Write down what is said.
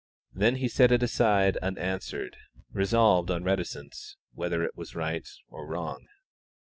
Then he set it aside unanswered, resolved on reticence, whether it was right or wrong.